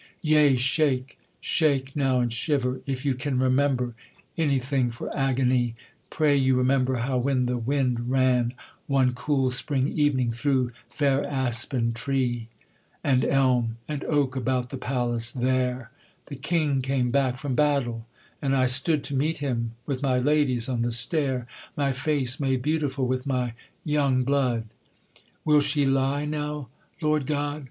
Yea, shake! shake now and shiver! if you can Remember anything for agony, Pray you remember how when the wind ran One cool spring evening through fair aspen tree, And elm and oak about the palace there, The king came back from battle, and I stood To meet him, with my ladies, on the stair, My face made beautiful with my young blood.' 'Will she lie now, Lord God?'